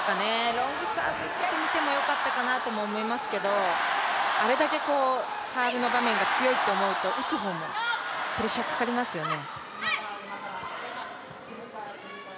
ロングサーブ打ってみてもよかったかなとは思いますけど、あれだけサーブの場面が強いと思うと打つ方もプレッシャーかかりますよね。